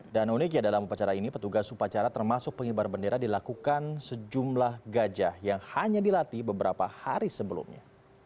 dan uniknya dalam upacara ini petugas upacara termasuk penghibar bendera dilakukan sejumlah gajah yang hanya dilatih beberapa hari sebelumnya